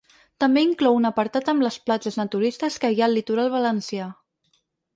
També inclou un apartat amb les platges naturistes que hi ha al litoral valencià.